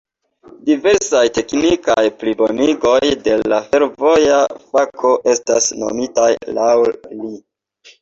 Diversaj teknikaj plibonigoj de la fervoja fako estas nomitaj laŭ li.